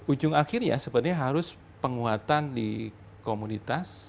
ujung akhirnya sebenarnya harus penguatan di komunitas